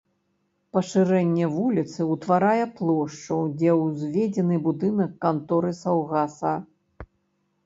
Пашырэнне вуліцы ўтварае плошчу, дзе ўзведзены будынак канторы саўгаса.